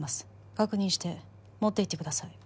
確認して持っていってください